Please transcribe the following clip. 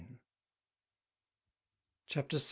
CHAPTER VI.